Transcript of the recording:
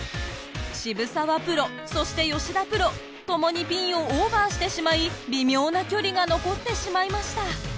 澁澤プロそして吉田プロともにピンをオーバーしてしまい微妙な距離が残ってしまいました。